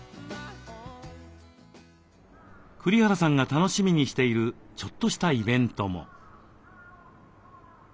栗原さんが楽しみにしているちょっとしたイベントも。